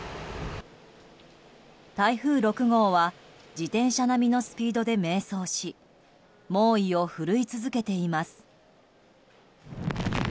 台風６号は自転車並みのスピードで迷走し猛威を振るい続けています。